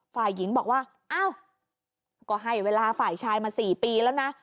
ฝ่ายหญิงบอกว่าอ้าวก็ให้เวลาฝ่ายชายมา๔ปีแล้วนะ